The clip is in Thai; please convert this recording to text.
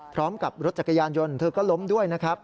พร้อมกับรถจักรยานยนต์เธอก็ล้มด้วยนะครับ